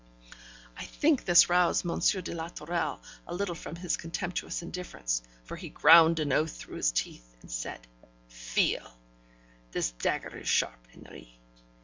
I think this roused M. de la Tourelle a little from his contemptuous indifference, for he ground an oath through his teeth, and said, 'Feel! this dagger is sharp, Henri.